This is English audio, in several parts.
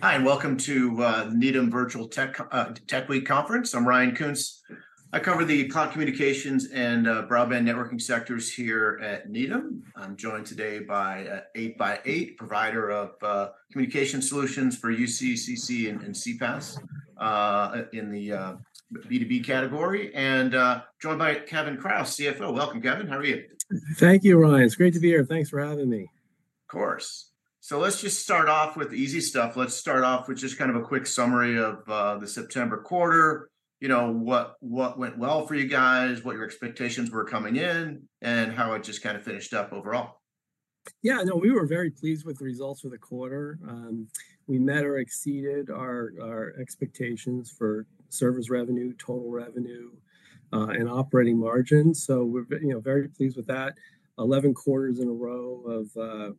Hi, and welcome to Needham Virtual Tech Week Conference. I'm Ryan Koontz. I cover the cloud communications and broadband networking sectors here at Needham. I'm joined today by 8x8, provider of communication solutions for UCC, CC, and, and CPaaS in the B2B category, and joined by Kevin Kraus, CFO. Welcome, Kevin. How are you? Thank you, Ryan. It's great to be here. Thanks for having me. Of course. So let's just start off with the easy stuff. Let's start off with just kind of a quick summary of the September quarter, you know, what went well for you guys, what your expectations were coming in, and how it just kind of finished up overall. Yeah, no, we were very pleased with the results for the quarter. We met or exceeded our expectations for service revenue, total revenue, and operating margin. So we're very you know, pleased with that. Eleven quarters in a row of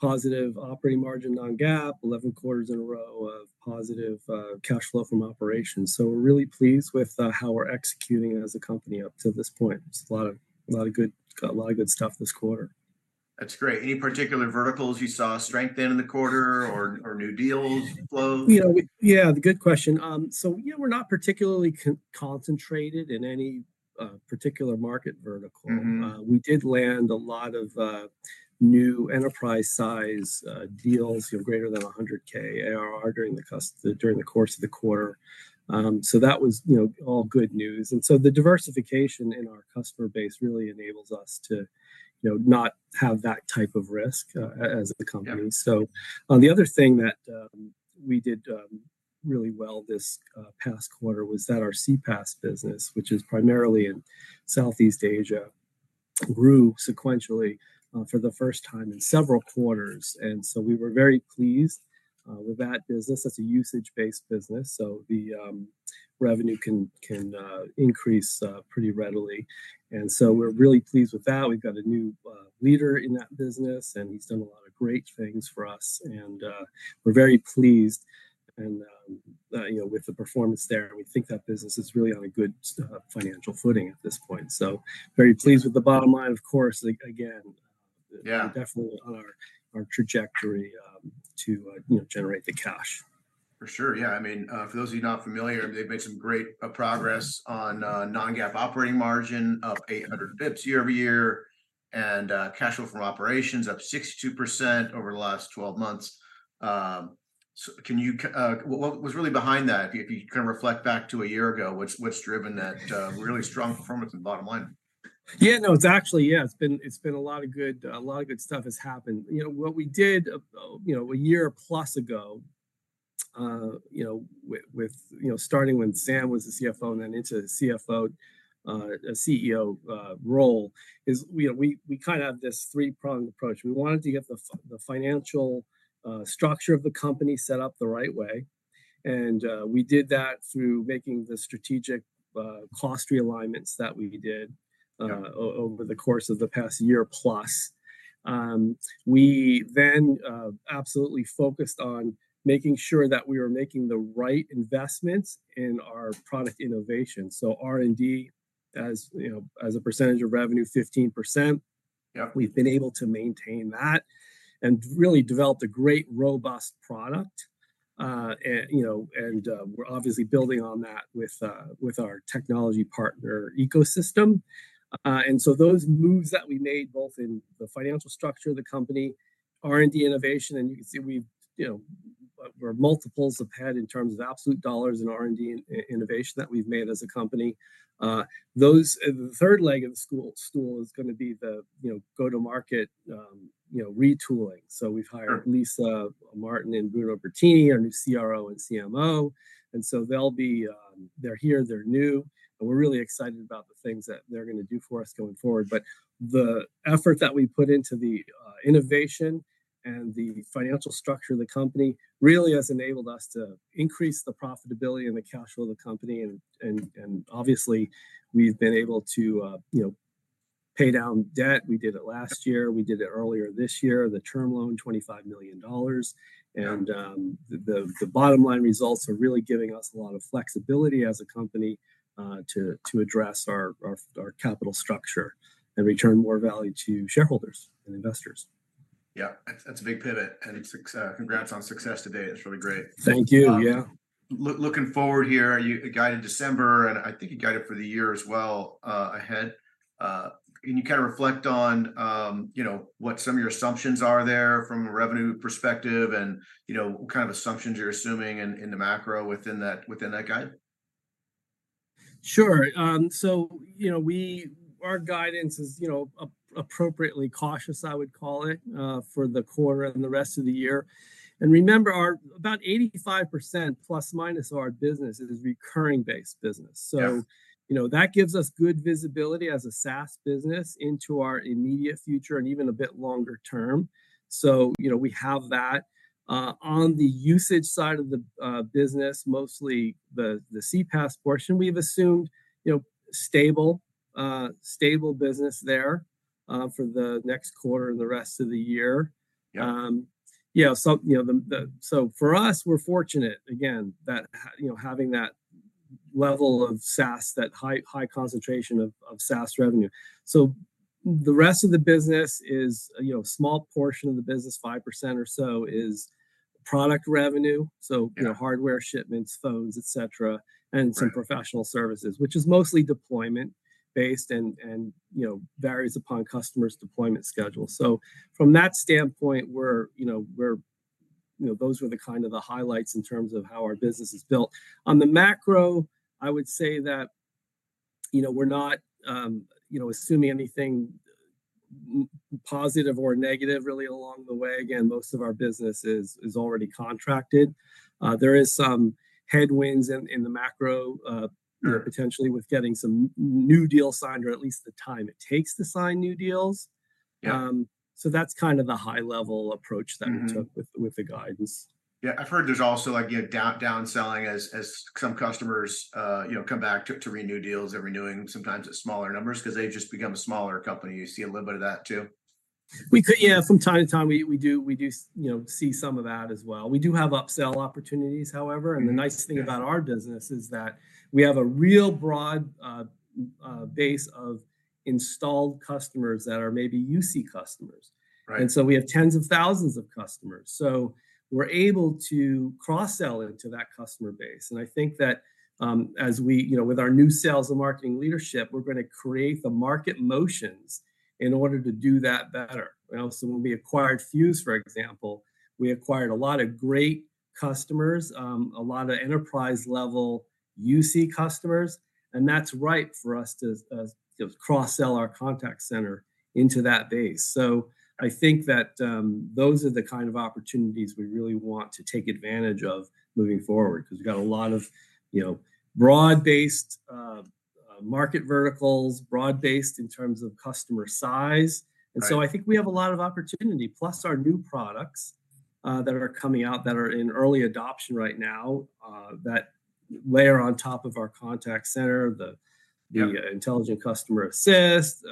positive operating margin on GAAP, eleven quarters in a row of positive cash flow from operations, so we're really pleased with how we're executing as a company up to this point. It's a lot of good stuff this quarter. That's great. Any particular verticals you saw strength in, in the quarter or, or new deals flow? You know, yeah, good question. So, you know, we're not particularly concentrated in any particular market vertical. Mm-hmm. We did land a lot of new enterprise-size deals, you know, greater than 100K ARR during the course of the quarter. So that was, you know, all good news. And so the diversification in our customer base really enables us to, you know, not have that type of risk as a company. Yeah. So, the other thing that we did really well this past quarter was that our CPaaS business, which is primarily in Southeast Asia, grew sequentially for the first time in several quarters, and so we were very pleased with that business. That's a usage-based business, so the revenue can increase pretty readily, and so we're really pleased with that. We've got a new leader in that business, and he's done a lot of great things for us, and we're very pleased, and you know, with the performance there, and we think that business is really on a good financial footing at this point. So very pleased with the bottom line, of course, again- Yeah Definitely on our trajectory, to you know, generate the cash. For sure. Yeah, I mean, for those of you not familiar, they've made some great progress on non-GAAP operating margin up 800 BPS year-over-year, and cash flow from operations up 62% over the last 12 months. So can you—what was really behind that? If you, if you kind of reflect back to a year ago, what's, what's driven that really strong performance in the bottom line? Yeah, no, it's actually. Yeah, it's been, it's been a lot of good, a lot of good stuff has happened. You know, what we did, you know, a year plus ago, you know, with, you know, starting when Sam was the CFO and then into the CFO, CEO role, is, you know, we kind of have this three-pronged approach. We wanted to get the financial structure of the company set up the right way, and we did that through making the strategic cost realignments that we did- Yeah Over the course of the past year-plus. We then absolutely focused on making sure that we were making the right investments in our product innovation. So R&D, as you know, as a percentage of revenue, 15%. Yeah. We've been able to maintain that and really developed a great, robust product. And, you know, we're obviously building on that with our technology partner ecosystem. And so those moves that we made, both in the financial structure of the company, R&D innovation, and you can see we've... You know, where multiples have had in terms of absolute dollars in R&D and innovation that we've made as a company. Those, and the third leg of the stool is gonna be the, you know, go-to-market, you know, retooling. Sure. So we've hired Lisa Martin and Bruno Bertini, our new CRO and CMO, and so they'll be. They're here, they're new, and we're really excited about the things that they're gonna do for us going forward. But the effort that we put into the innovation and the financial structure of the company really has enabled us to increase the profitability and the cash flow of the company, and, and, and obviously, we've been able to, you know, pay down debt. We did it last year. We did it earlier this year, the term loan, $25 million. Yeah. The bottom line results are really giving us a lot of flexibility as a company to address our capital structure and return more value to shareholders and investors. Yeah, that's, that's a big pivot, and congrats on success today. It's really great. Thank you. Yeah. Looking forward here, you guided December, and I think you guided for the year as well, ahead. Can you kind of reflect on, you know, what some of your assumptions are there from a revenue perspective and, you know, what kind of assumptions you're assuming in the macro within that, within that guide? Sure. So, you know, our guidance is, you know, appropriately cautious, I would call it, for the quarter and the rest of the year. And remember, our about 85% ± of our business is recurring-based business. Yeah. So, you know, that gives us good visibility as a SaaS business into our immediate future and even a bit longer term. So, you know, we have that. On the usage side of the business, mostly the CPaaS portion, we've assumed, you know, stable, stable business there, for the next quarter and the rest of the year. Yeah. Yeah, so, you know, so for us, we're fortunate, again, that you know, having that level of SaaS, that high concentration of SaaS revenue. So the rest of the business is, you know, a small portion of the business, 5% or so, is product revenue. So- Yeah You know, hardware shipments, phones, et cetera- Right And some professional services, which is mostly deployment based and, you know, varies upon customers' deployment schedule. So from that standpoint, you know, those were the kind of the highlights in terms of how our business is built. On the macro, I would say that, you know, we're not, you know, assuming anything positive or negative really along the way. Again, most of our business is already contracted. There is some headwinds in the macro. Sure Potentially with getting some new deals signed, or at least the time it takes to sign new deals. Yeah. That's kind of the high-level approach. Mm-hmm That we took with the guidance. Yeah. I've heard there's also, like, you know, downselling as some customers, you know, come back to renew deals. They're renewing sometimes at smaller numbers 'cause they've just become a smaller company. You see a little bit of that, too? Yeah, from time to time, we do, you know, see some of that as well. We do have upsell opportunities, however. Mm, yeah. The nice thing about our business is that we have a real broad base of installed customers that are maybe UC customers. Right. And so we have tens of thousands of customers, so we're able to cross-sell into that customer base. And I think that, as we. You know, with our new sales and marketing leadership, we're gonna create the market motions in order to do that better. You know, so when we acquired Fuze, for example, we acquired a lot of great customers, a lot of enterprise-level UC customers, and that's right for us to, you know, cross-sell our contact center into that base. So I think that, those are the kind of opportunities we really want to take advantage of moving forward, 'cause we've got a lot of, you know, broad-based, market verticals, broad-based in terms of customer size. Right. And so I think we have a lot of opportunity, plus our new products that are coming out, that are in early adoption right now, that layer on top of our contact center, the- Yeah The Intelligent Customer Assist,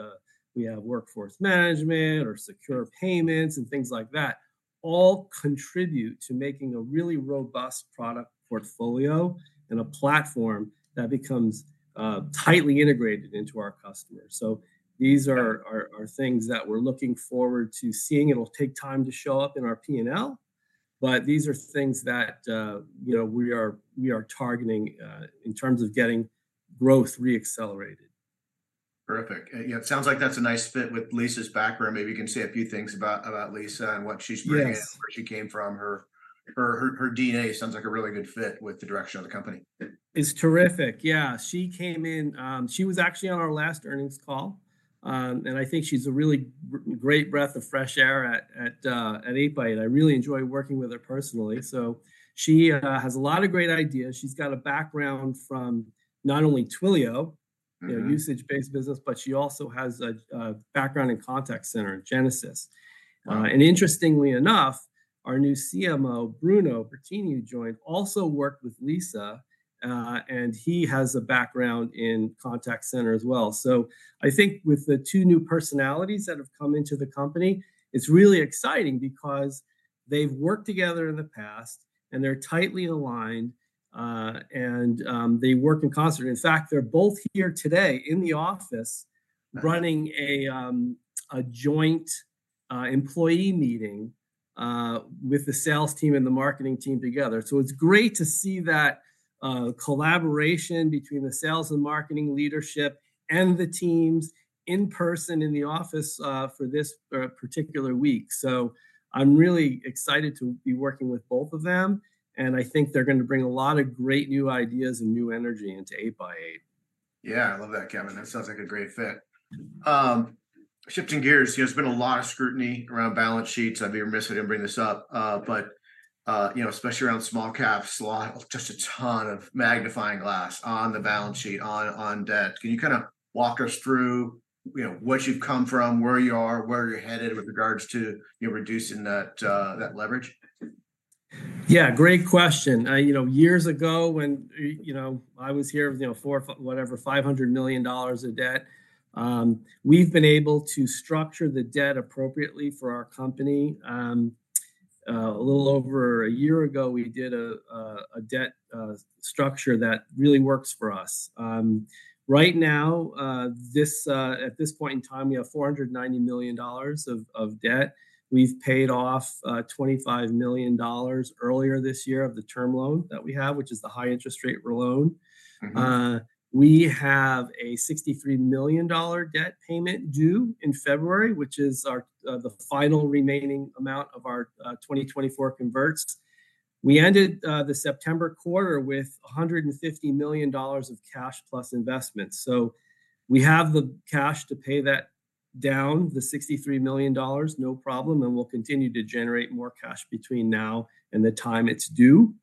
we have Workforce Management or Secure Payments, and things like that, all contribute to making a really robust product portfolio and a platform that becomes, tightly integrated into our customers. So these are- Yeah Are things that we're looking forward to seeing. It'll take time to show up in our P&L, but these are things that, you know, we are targeting in terms of getting growth re-accelerated. Terrific. Yeah, it sounds like that's a nice fit with Lisa's background. Maybe you can say a few things about Lisa and what she's bringing in- Yes Where she came from. Her DNA sounds like a really good fit with the direction of the company. It's terrific. Yeah, she came in. She was actually on our last earnings call. And I think she's a really great breath of fresh air at 8x8. I really enjoy working with her personally. So she has a lot of great ideas. She's got a background from not only Twilio- Mm-hmm You know, usage-based business, but she also has a background in contact center, in Genesys. Mm. And interestingly enough, our new CMO, Bruno Bertini, who joined, also worked with Lisa, and he has a background in contact center as well. So I think with the two new personalities that have come into the company, it's really exciting, because they've worked together in the past, and they're tightly aligned, and they work in concert. In fact, they're both here today in the office. Nice Running a joint employee meeting with the sales team and the marketing team together. So it's great to see that collaboration between the sales and marketing leadership, and the teams in person in the office for this particular week. So I'm really excited to be working with both of them, and I think they're gonna bring a lot of great new ideas and new energy into 8x8. Yeah, I love that, Kevin. That sounds like a great fit. Shifting gears, you know, there's been a lot of scrutiny around balance sheets. I'd be remiss if I didn't bring this up. You know, especially around small caps, a lot—just a ton of magnifying glass on the balance sheet, on debt. Can you kind of walk us through, you know, what you've come from, where you are, where you're headed with regards to, you know, reducing that leverage? Yeah, great question. You know, years ago, when you know, I was here, with you know, four, whatever, five hundred million dollars of debt, we've been able to structure the debt appropriately for our company. A little over a year ago, we did a debt structure that really works for us. Right now, at this point in time, we have $490 million of debt. We've paid off $25 million earlier this year of the term loan that we have, which is the high-interest rate loan. Mm-hmm. We have a $63 million debt payment due in February, which is our the final remaining amount of our 2024 converts. We ended the September quarter with $150 million of cash plus investments. So we have the cash to pay that down, the $63 million, no problem, and we'll continue to generate more cash between now and the time it's due.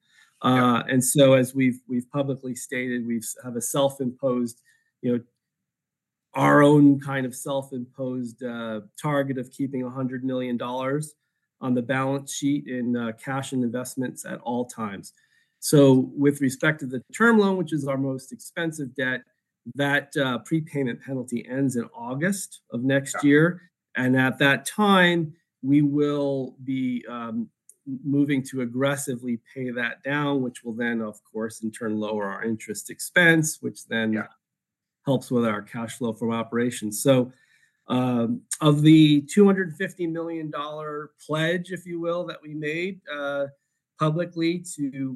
Yeah. And so as we've publicly stated, we have a self-imposed, you know, our own kind of self-imposed target of keeping $100 million on the balance sheet in cash and investments at all times. So with respect to the term loan, which is our most expensive debt, that prepayment penalty ends in August of next year. Yeah. At that time, we will be moving to aggressively pay that down, which will then, of course, in turn lower our interest expense, which then- Yeah Helps with our cash flow from operations. So, of the $250 million pledge, if you will, that we made publicly to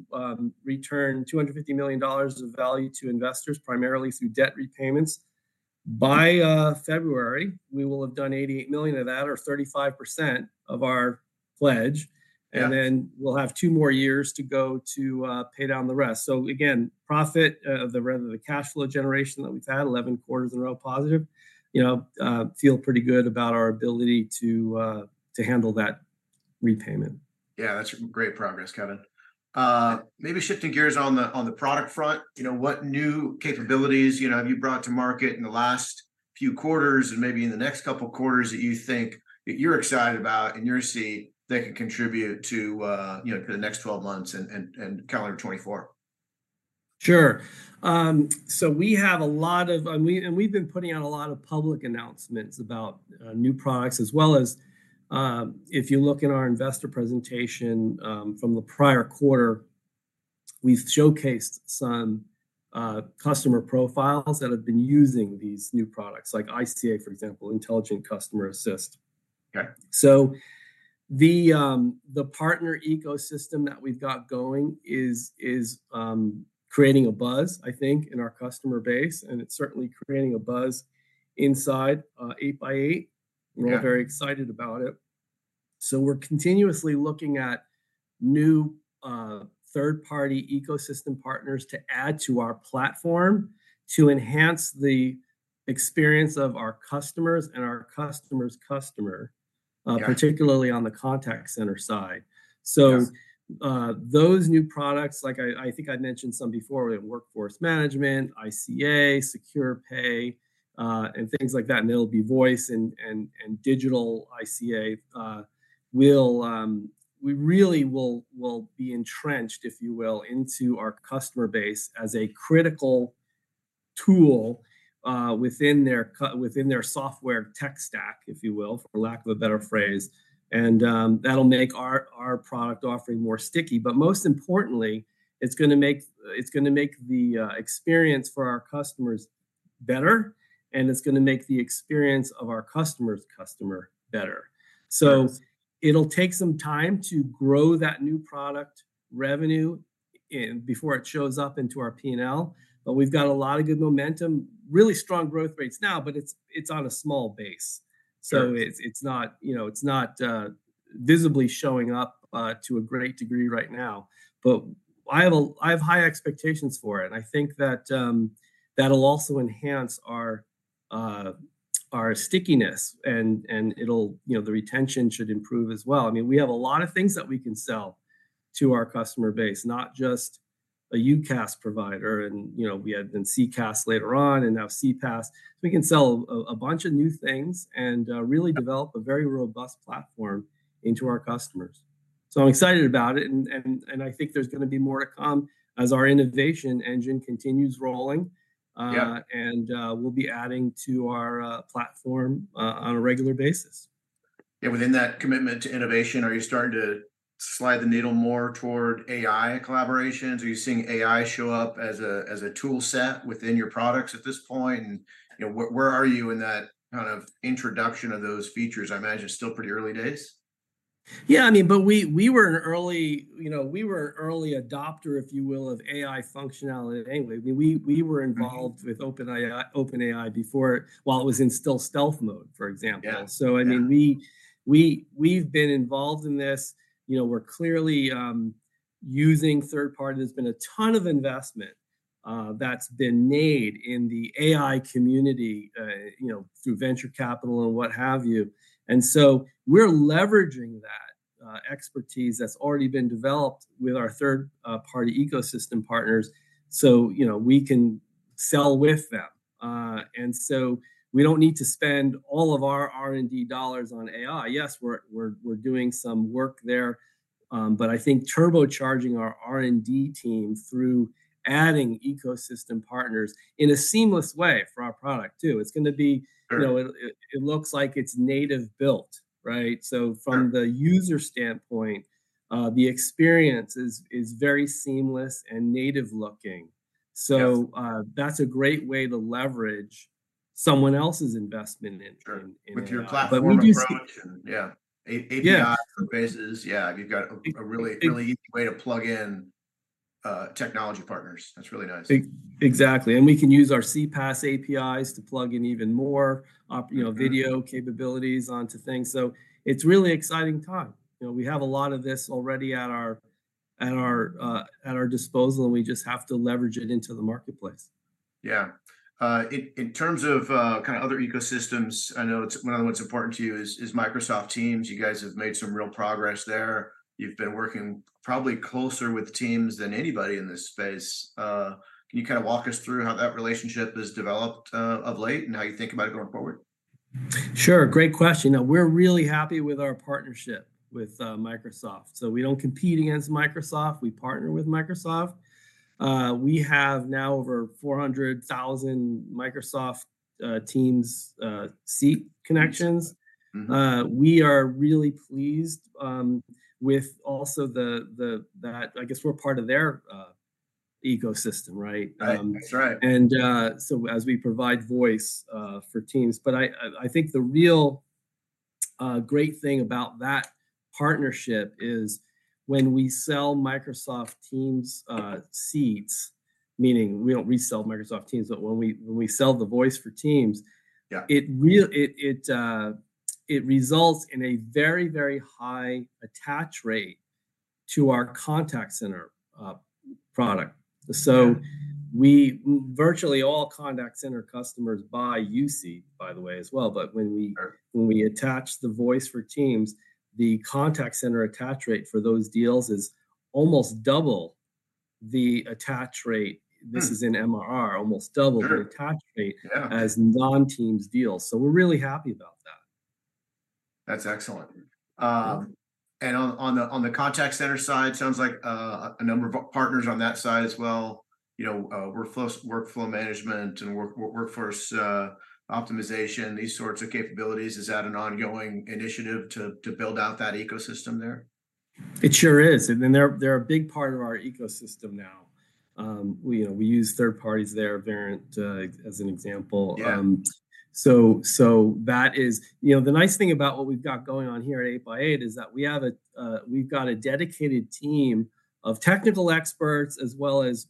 return $250 million of value to investors, primarily through debt repayments, by February, we will have done $88 million of that, or 35% of our pledge. Yeah. Then we'll have two more years to go to pay down the rest. So again, profit, rather, the cash flow generation that we've had, 11 quarters in a row positive, you know, feel pretty good about our ability to handle that repayment. Yeah, that's great progress, Kevin. Maybe shifting gears on the product front, you know, what new capabilities, you know, have you brought to market in the last few quarters and maybe in the next couple quarters that you think that you're excited about in your seat, that could contribute to, you know, to the next twelve months and calendar 2024? Sure. So we've been putting out a lot of public announcements about new products, as well as, if you look in our investor presentation from the prior quarter, we've showcased some customer profiles that have been using these new products, like ICA, for example, Intelligent Customer Assist. Okay. The partner ecosystem that we've got going is creating a buzz, I think, in our customer base, and it's certainly creating a buzz inside 8x8. Yeah. We're very excited about it. So we're continuously looking at new, third-party ecosystem partners to add to our platform to enhance the experience of our customers and our customer's customer- Yeah Particularly on the contact center side. Yeah. So, those new products, like I think I mentioned some before, we have Workforce Management, ICA, Secure Pay, and things like that, and it'll be voice and digital ICA. We'll really be entrenched, if you will, into our customer base as a critical tool within their software tech stack, if you will, for lack of a better phrase. And that'll make our product offering more sticky. But most importantly, it's gonna make the experience for our customers better, and it's gonna make the experience of our customer's customer better. Yeah. So it'll take some time to grow that new product revenue in... before it shows up into our P&L, but we've got a lot of good momentum. Really strong growth rates now, but it's on a small base. Yeah. So it's not, you know, visibly showing up to a great degree right now, but I have high expectations for it, and I think that that'll also enhance our stickiness, and it'll, you know, the retention should improve as well. I mean, we have a lot of things that we can sell to our customer base, not just a UCaaS provider, and, you know, we had then CCaaS later on, and now CPaaS. So we can sell a bunch of new things and really develop a very robust platform into our customers. So I'm excited about it, and I think there's gonna be more to come as our innovation engine continues rolling. Yeah. We'll be adding to our platform on a regular basis. Yeah, within that commitment to innovation, are you starting to slide the needle more toward AI collaborations? Are you seeing AI show up as a tool set within your products at this point? And, you know, where are you in that kind of introduction of those features? I imagine still pretty early days. Yeah, I mean, but we were an early, you know, we were an early adopter, if you will, of AI functionality anyway. We were involved- Mm-hmm With OpenAI before, while it was still in stealth mode, for example. Yeah. Yeah. So I mean, we've been involved in this, you know, we're clearly using third-party. There's been a ton of investment that's been made in the AI community, you know, through venture capital and what have you. And so we're leveraging that expertise that's already been developed with our third-party ecosystem partners, so, you know, we can sell with them. And so we don't need to spend all of our R&D dollars on AI. Yes, we're doing some work there, but I think turbocharging our R&D team through adding ecosystem partners in a seamless way for our product, too, it's gonna be- Sure You know, it looks like it's native built, right? Sure. From the user standpoint, the experience is very seamless and native looking. Yeah. So, that's a great way to leverage someone else's investment in- With your platform approach. But we do see- Yeah. Yeah. API bases, yeah, you've got a really- Yeah Really easy way to plug in, technology partners. That's really nice. Exactly. And we can use our CPaaS APIs to plug in even more, Mm-hmm You know, video capabilities onto things. So it's really exciting time. You know, we have a lot of this already at our disposal, and we just have to leverage it into the marketplace. Yeah. In terms of kind of other ecosystems, I know it's one of the ones important to you is Microsoft Teams. You guys have made some real progress there. You've been working probably closer with Teams than anybody in this space. Can you kind of walk us through how that relationship has developed of late, and how you think about it going forward? Sure, great question. Now, we're really happy with our partnership with Microsoft. So we don't compete against Microsoft, we partner with Microsoft. We have now over 400,000 Microsoft Teams seat connections. Mm-hmm. We are really pleased. I guess we're part of their ecosystem, right? Right. That's right. So as we provide voice for Teams. But I think the real great thing about that partnership is when we sell Microsoft Teams seats, meaning we don't resell Microsoft Teams, but when we sell the voice for Teams- Yeah It results in a very, very high attach rate to our contact center product. Yeah. So, virtually all contact center customers buy UC, by the way, as well. But when we— Sure When we attach the Voice for Teams, the contact center attach rate for those deals is almost double the attach rate. Hmm. This is in MRR, almost double- Sure The attach rate- Yeah As non-Teams deals. So we're really happy about that. That's excellent. And on the contact center side, sounds like a number of partners on that side as well, you know, workflow management and workforce optimization, these sorts of capabilities. Is that an ongoing initiative to build out that ecosystem there? It sure is, and they're a big part of our ecosystem now. We, you know, we use third parties there, Verint, as an example. Yeah. So, that is you know, the nice thing about what we've got going on here at 8x8 is that we've got a dedicated team of technical experts as well as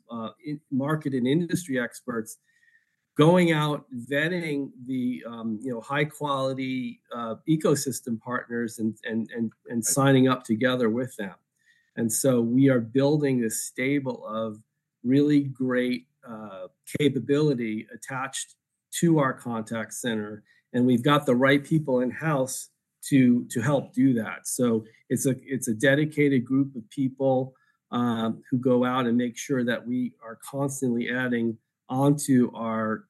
market and industry experts going out, vetting the, you know, high-quality ecosystem partners, and- Right Signing up together with them. And so we are building a stable of really great capability attached to our contact center, and we've got the right people in-house to help do that. So it's a dedicated group of people who go out and make sure that we are constantly adding onto our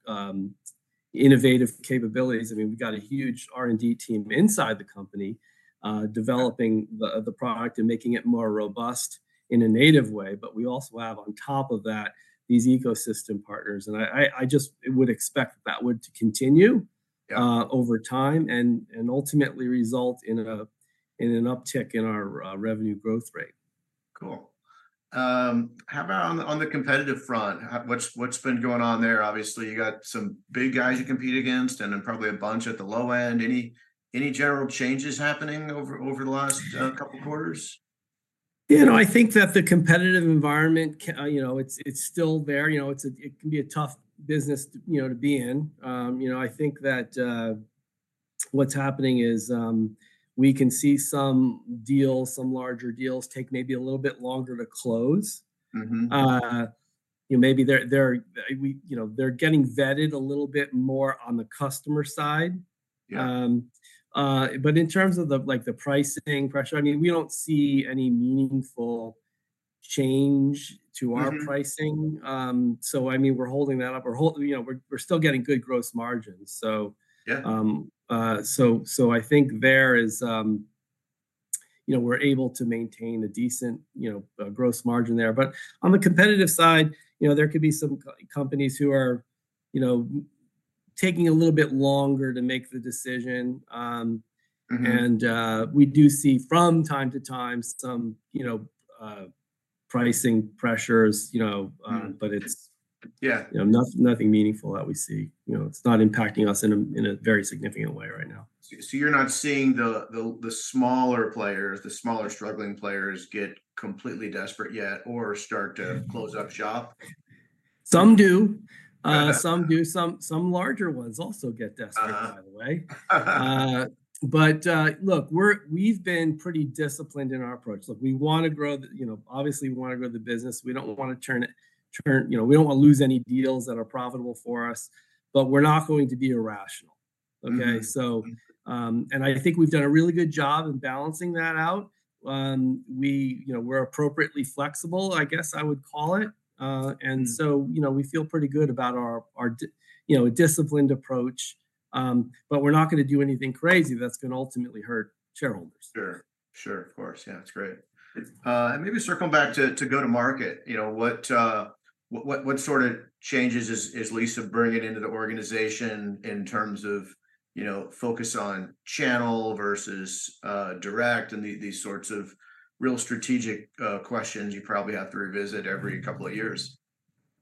innovative capabilities. I mean, we've got a huge R&D team inside the company developing- Yeah The product and making it more robust in a native way. But we also have, on top of that, these ecosystem partners. And I just would expect that would to continue over time, and ultimately result in an uptick in our revenue growth rate. Cool. How about on the competitive front? What's been going on there? Obviously, you got some big guys you compete against, and then probably a bunch at the low end. Any general changes happening over the last couple quarters? You know, I think that the competitive environment, you know, it's still there. You know, it's a... It can be a tough business, you know, to be in. You know, I think that, what's happening is, we can see some deals, some larger deals, take maybe a little bit longer to close. Mm-hmm. You know, maybe they're you know, they're getting vetted a little bit more on the customer side. Yeah. But in terms of the, like, the pricing pressure, I mean, we don't see any meaningful change to our pricing. Mm-hmm. So I mean, we're holding that up. You know, we're, we're still getting good gross margins, so. Yeah. So I think there is. You know, we're able to maintain a decent, you know, gross margin there. But on the competitive side, you know, there could be some companies who are, you know, taking a little bit longer to make the decision. Mm-hmm And we do see from time to time some, you know, pricing pressures, you know. Hmm But it's- Yeah You know, nothing, nothing meaningful that we see. You know, it's not impacting us in a very significant way right now. So, you're not seeing the smaller, struggling players get completely desperate yet or start to close up shop? Some do. Some do. Some larger ones also get desperate- Ah By the way. But look, we've been pretty disciplined in our approach. Look, we wanna grow that you know, obviously we wanna grow the business. You know, we don't wanna lose any deals that are profitable for us, but we're not going to be irrational. Mm-hmm. Okay? So, and I think we've done a really good job in balancing that out. You know, we're appropriately flexible, I guess I would call it. And so- Mm You know, we feel pretty good about our disciplined approach. But we're not gonna do anything crazy that's gonna ultimately hurt shareholders. Sure. Sure, of course. Yeah, that's great. And maybe circling back to go-to-market, you know, what sort of changes is Lisa bringing into the organization in terms of, you know, focus on channel versus direct, and these sorts of real strategic questions you probably have to revisit every couple of years?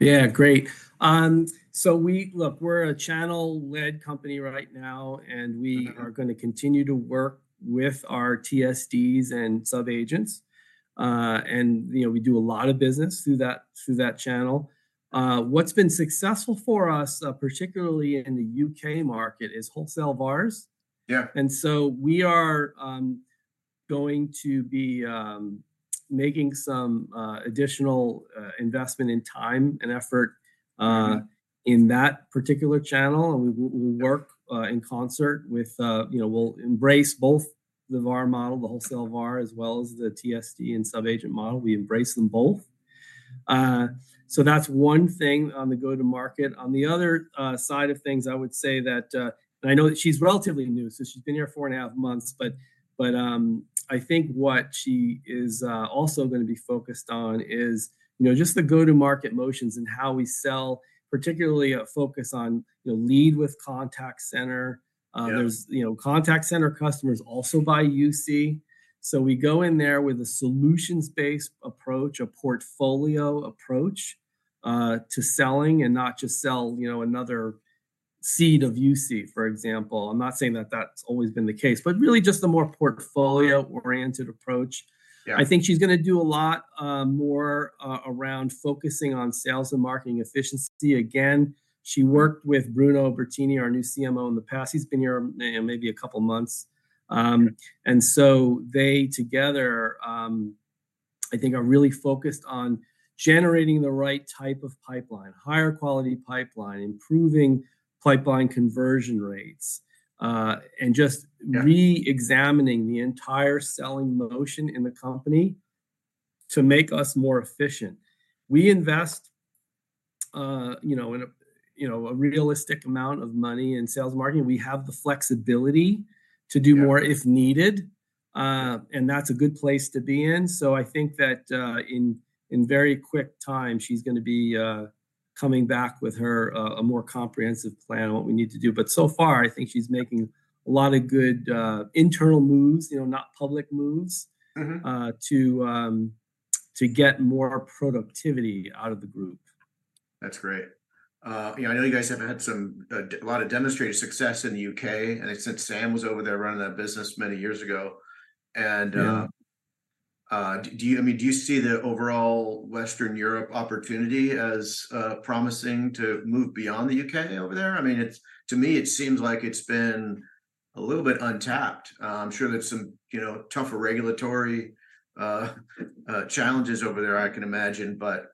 Yeah, great. So look, we're a channel-led company right now, and we- Mm-hmm Are gonna continue to work with our TSDs and sub-agents. And, you know, we do a lot of business through that, through that channel. What's been successful for us, particularly in the UK market, is wholesale VARs. Yeah. And so we are going to be making some additional investment in time and effort. Mm In that particular channel. We'll work in concert with you know, we'll embrace both the VAR model, the wholesale VAR, as well as the TSD and sub-agent model. We embrace them both. So that's one thing on the go-to-market. On the other side of things, I would say that. I know that she's relatively new, so she's been here four and a half months, but I think what she is also gonna be focused on is, you know, just the go-to-market motions and how we sell, particularly a focus on, you know, lead with contact center. Yeah. Those, you know, contact center customers also buy UC, so we go in there with a solutions-based approach, a portfolio approach, to selling, and not just sell, you know, another seat of UC, for example. I'm not saying that that's always been the case, but really just a more portfolio-oriented approach. Yeah. I think she's gonna do a lot, more, around focusing on sales and marketing efficiency. Again, she worked with Bruno Bertini, our new CMO, in the past. He's been here, maybe a couple months. And so they, together, I think are really focused on generating the right type of pipeline, higher quality pipeline, improving pipeline conversion rates, and just- Yeah Re-examining the entire selling motion in the company to make us more efficient. We invest, you know, in a, you know, a realistic amount of money in sales and marketing. We have the flexibility- Yeah To do more if needed, and that's a good place to be in. So I think that, in very quick time, she's gonna be coming back with her a more comprehensive plan on what we need to do. But so far, I think she's making a lot of good internal moves, you know, not public moves- Mm-hmm To get more productivity out of the group. That's great. You know, I know you guys have had some a lot of demonstrated success in the UK, and I said Sam was over there running that business many years ago. And Yeah Do you, I mean, do you see the overall Western Europe opportunity as promising to move beyond the UK over there? I mean, it's, to me, it seems like it's been a little bit untapped. I'm sure there's some, you know, tougher regulatory challenges over there, I can imagine, but,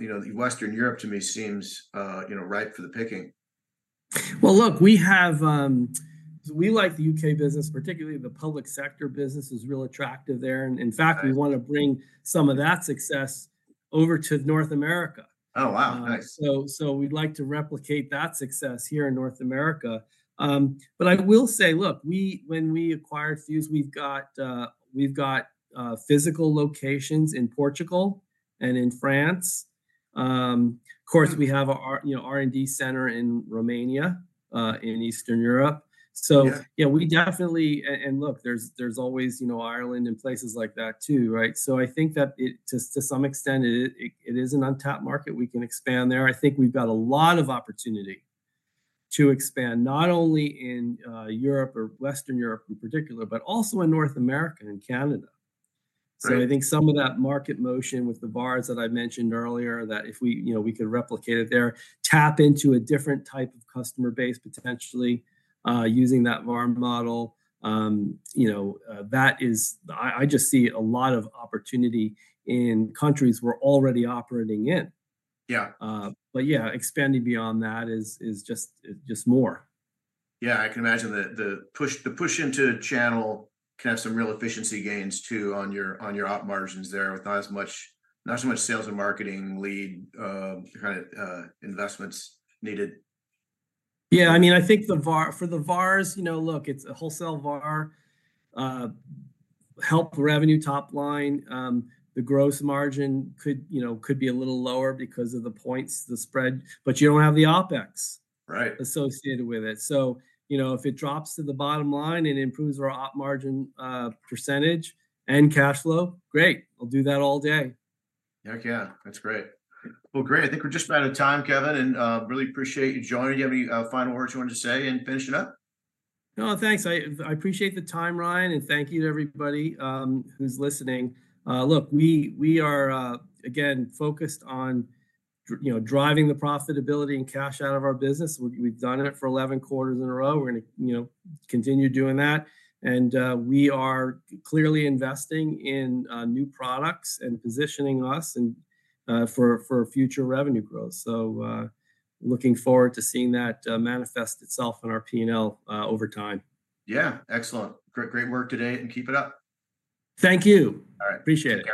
you know, Western Europe, to me, seems you know, ripe for the picking. Well, look, we have. We like the UK business, particularly the public sector business is real attractive there. Right. In fact, we wanna bring some of that success over to North America. Oh, wow. Nice. So we'd like to replicate that success here in North America. But I will say, look, when we acquired Fuze, we've got physical locations in Portugal and in France. Of course, we have our, you know, R&D center in Romania, in Eastern Europe. Yeah. So, yeah, we definitely... and look, there's always, you know, Ireland and places like that too, right? So I think that it, to some extent, it is an untapped market. We can expand there. I think we've got a lot of opportunity to expand, not only in Europe or Western Europe in particular, but also in North America and Canada. Right. So I think some of that market motion with the VARs that I mentioned earlier, that if we, you know, we could replicate it there, tap into a different type of customer base, potentially, using that VAR model, you know, that is... I just see a lot of opportunity in countries we're already operating in. Yeah. But yeah, expanding beyond that is just more. Yeah, I can imagine the push into channel can have some real efficiency gains, too, on your op margins there, with not as much, not so much sales and marketing lead kind of investments needed. Yeah, I mean, I think the VAR- for the VARs, you know, look, it's a wholesale VAR, help revenue top line. The gross margin could, you know, could be a little lower because of the points, the spread, but you don't have the OpEx- Right Associated with it. So, you know, if it drops to the bottom line and improves our op margin percentage and cash flow, great, I'll do that all day. Heck yeah. That's great. Well, great, I think we're just about out of time, Kevin, and really appreciate you joining. Do you have any final words you wanted to say in finishing up? No, thanks. I appreciate the time, Ryan, and thank you to everybody who's listening. Look, we are again focused on you know, driving the profitability and cash out of our business. We've done it for 11 quarters in a row. We're gonna you know, continue doing that. And we are clearly investing in new products and positioning us and for future revenue growth. So looking forward to seeing that manifest itself in our P&L over time. Yeah. Excellent. Great, great work today, and keep it up. Thank you. All right. Appreciate it.